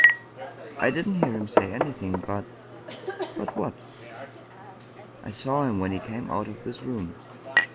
" I didn't hear him say anything, but " "But what?" " I saw him when he came out of this room."